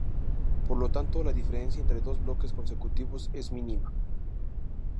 Por lo tanto la diferencia entre dos bloques consecutivos es mínima.